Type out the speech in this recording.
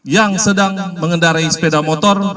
yang sedang mengendarai sepeda motor